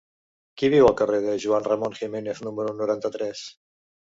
Qui viu al carrer de Juan Ramón Jiménez número noranta-tres?